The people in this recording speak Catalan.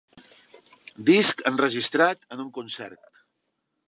Disc enregistrat en un concert.